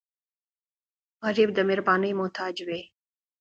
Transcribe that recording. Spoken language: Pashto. غریب د مهربانۍ محتاج وي